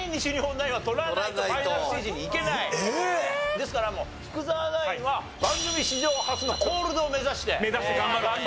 ですからもう福澤ナインは番組史上初のコールドを目指して頑張ってください。